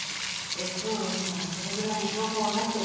「ＳＯＳ」ならそれぐらいの情報は持ってる。